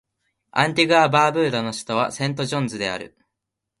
アンティグア・バーブーダの首都はセントジョンズである